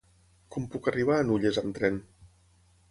Com puc arribar a Nulles amb tren?